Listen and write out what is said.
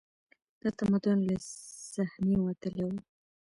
دا تمدن له صحنې وتلی و